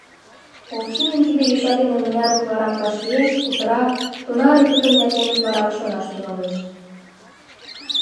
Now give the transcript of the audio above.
Овчинин тиде йоча дене мыняр утларак вашлиеш, кутыра, тунаре тудын нерген утларак шонаш тӱҥалеш.